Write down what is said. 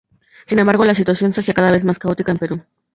Sin embargo, la situación se hacía cada más caótica en Perú.